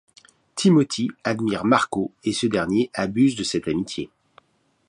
Timothy admire Marco et ce dernier abuse de cette amitié.